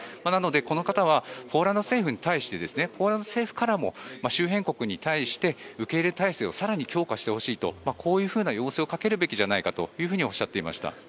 なので、この方はポーランド政府に対してポーランド政府からも周辺国に対して受け入れ態勢を更に強化してほしいとこういうふうな要請をかけるべきじゃないかとおっしゃっていました。